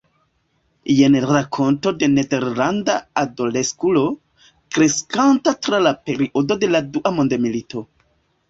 Jen rakonto de nederlanda adoleskulo, kreskanta tra la periodo de la dua mondmilito.